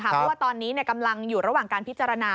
เพราะว่าตอนนี้กำลังอยู่ระหว่างการพิจารณา